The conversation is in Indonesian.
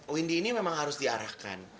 windy ini memang harus diarahkan